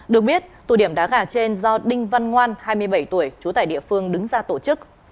được biết tù điểm đá gà trên do đinh văn ngoan hai mươi bảy tuổi chú tải địa phương đứng ra tổ chức